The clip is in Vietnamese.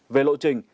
về lộ trình